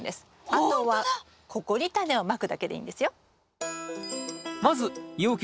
あとはここにタネをまくだけでいいんですよ。